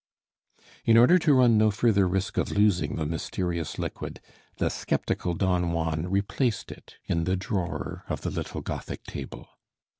In order to run no further risk of losing the mysterious liquid the skeptical Don Juan replaced it in the drawer of the little Gothic table.